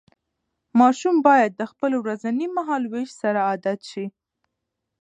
ماشوم باید د خپل ورځني مهالوېش سره عادت شي.